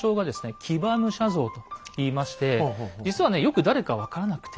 「騎馬武者像」といいまして実はねよく誰か分からなくて。